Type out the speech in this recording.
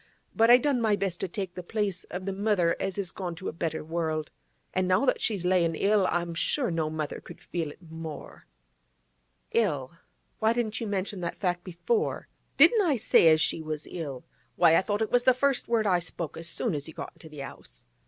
But I done my best to take the place of the mother as is gone to a better world. An' now that she's layin' ill, I'm sure no mother could feel it more—' 'Ill? Why didn't you mention that before?' 'Didn't I say as she was ill? Why, I thought it was the first word I spoke as soon as you got into the 'ouse.